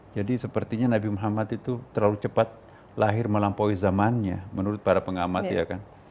jadi sepertinya nabi muhammad itu terlalu cepat lahir melampaui zamannya menurut para pengamat ya kan